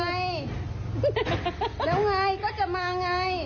แล้วไงก็จะมาไง